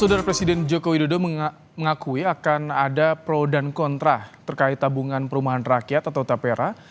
saudara presiden joko widodo mengakui akan ada pro dan kontra terkait tabungan perumahan rakyat atau tapera